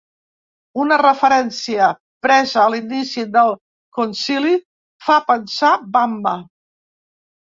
Una referència presa a l'inici del Concili fa pensar Vamba.